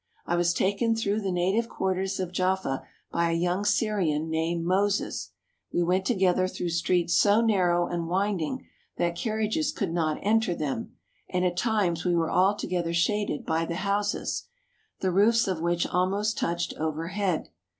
I was taken through the native quarters of Jaffa by a young Syrian named Moses. We went together through streets so narrow and winding that carriages could not enter them, and at times we were altogether shaded by the houses, the roofs of which almost touched overhead.